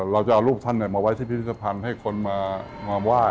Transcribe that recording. เราจะเอารูปท่านมาไว้ที่พิพิธภัณฑ์ให้คนมาไหว้